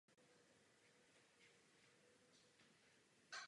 Svůj název si skupina zvolila podle stejnojmenné písně velšského hudebníka Johna Calea.